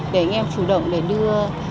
để anh em chủ động để đưa